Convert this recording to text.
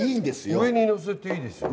上にのせていいですよね？